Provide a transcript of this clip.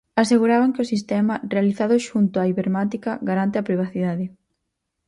Aseguran que o sistema, realizado xunto a Ibermática, garante a privacidade.